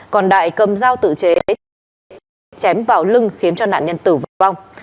còn đại cầm dao tự chế chém vào lưng khiến cho nạn nhân tử vong